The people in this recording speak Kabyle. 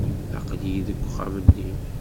Aql-iyi deg uxxam-nni.